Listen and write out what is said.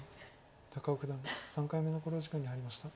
高尾九段３回目の考慮時間に入りました。